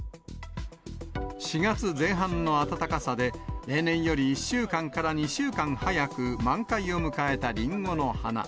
４月前半の暖かさで、例年より１週間から２週間早く満開を迎えたリンゴの花。